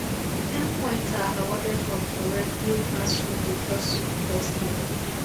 Ten points are awarded for correctly answering the tossup question.